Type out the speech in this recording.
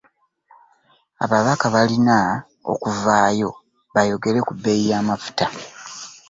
Ababaka balina okuvaayo bayogere ku bbeeyi y'amafuta.